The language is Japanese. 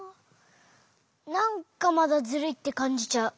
なんかまだズルいってかんじちゃう。